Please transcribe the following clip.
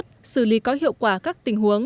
tham mưu đề xuất xử lý có hiệu quả các tình huống